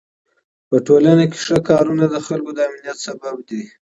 په ټولنه کې ښو کارونه د خلکو د امنيت سبب دي.